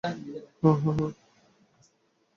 হ্যাঁ, হ্যাঁ!